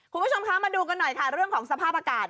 คุณผู้ชมคะมาดูกันหน่อยค่ะเรื่องของสภาพอากาศ